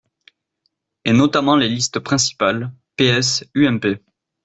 Et notamment les listes principales : PS, UMP.